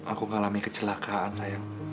aku ngalami kecelakaan sayang